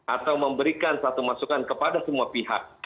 atau memberikan satu masukan kepada semua pihak